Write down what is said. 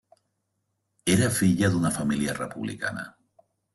Era filla d'una família republicana.